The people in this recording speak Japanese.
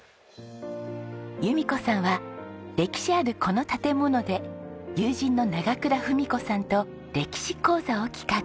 由美子さんは歴史あるこの建物で友人の永倉文子さんと歴史講座を企画。